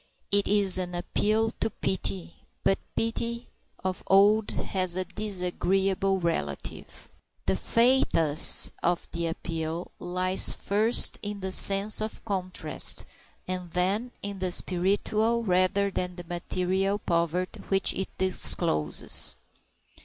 It is an appeal to pity, but pity of old has a disagreeable relative. The pathos of the appeal lies, first, in the sense of contrast, and then in the spiritual rather than the material poverty which it discloses.